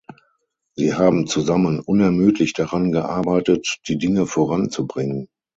Sie haben zusammen unermüdlich daran gearbeitet, die Dinge voranzubringen.